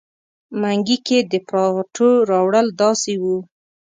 منګي کې د پراټو راوړل داسې وو.